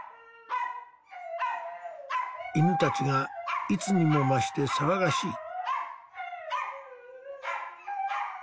犬たちがいつにも増して騒がしい。